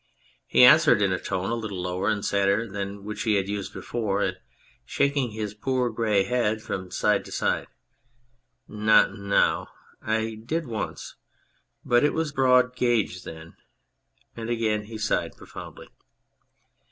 He answered, in a tone a little lower and sadder than that which he had used before and shaking his poor grey head from side to side. " Not now !... I did once. ... But it was broad gauge then !" and again he sighed profoundly.